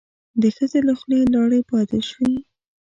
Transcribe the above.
د ښځې له خولې لاړې باد شوې.